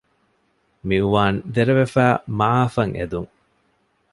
މިއުވާން ދެރަވެފައި މަޢާފަށް އެދުން